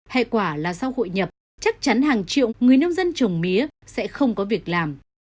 hệ quả là sau hội nhập chắc chắn hàng triệu người nông dân trồng mía sẽ không có việc làm